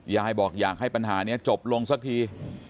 ยายบอกอยากให้ปัญหานี้จบลงสักที